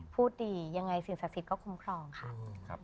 พูดดียังไงศีลศักดิ์ศิษฐก็ควรคลอมครับ